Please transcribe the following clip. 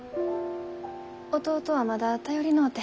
弟はまだ頼りのうて。